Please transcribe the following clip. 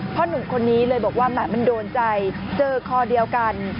หนุ่มคนนี้เลยบอกว่าแหม่มันโดนใจเจอคอเดียวกัน